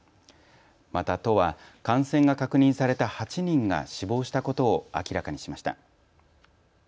また都は、感染が確認された８人が死亡したことを明らかにしました。